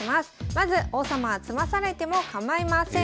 まず王様は詰まされても構いません。